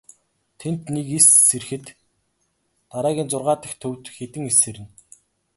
Тэнд нэг эс сэрэхэд дараагийн зургаа дахь төвд хэдэн эс сэрнэ.